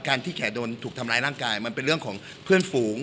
ที่แขโดนถูกทำร้ายร่างกายมันเป็นเรื่องของเพื่อนฝูง